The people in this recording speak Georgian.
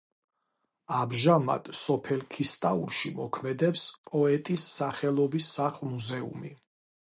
ამჟამად სოფელ ქისტაურში მოქმედებს პოეტის სახელობის სახლ-მუზეუმი.